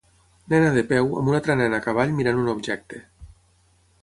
Nena de peu amb una altra nena a cavall mirant un objecte.